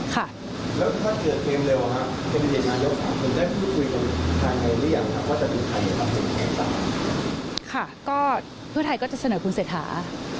ค่ะเพื่อไทยก็จะเสนอคุณเสธหา